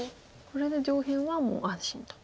これで上辺はもう安心と。